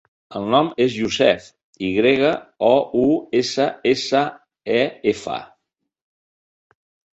El nom és Youssef: i grega, o, u, essa, essa, e, efa.